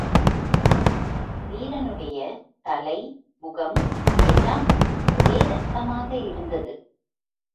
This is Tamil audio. வீரனுடைய தலை, முகம் எல்லாம் ஒரே இரத்தமாக இருந்தது.